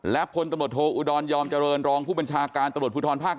และพลตำรวจโทอุดรยอมเจริญรองผู้บัญชาการตำรวจภูทรภาค๑